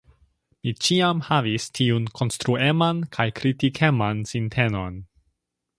Mi ĉiam havis tiun konstrueman kaj kritikeman sintenon.